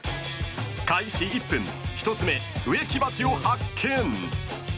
［開始１分１つ目植木鉢を発見！］